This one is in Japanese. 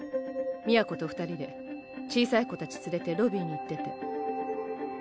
都と二人で小さい子たち連れてロビーに行ってて。